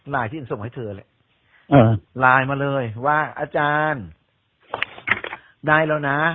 ที่ฉันส่งให้เธอเนี่ยไลน์มาเลยว่าอาจารย์ได้แล้วนะ